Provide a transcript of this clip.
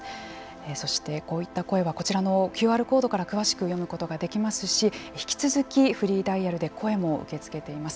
そして、こういった声はこちらのＱＲコードから詳しく読むことができますし引き続きフリーダイヤルで声も受け付けています。